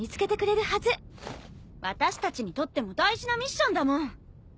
私たちにとっても大事なミッションだもん。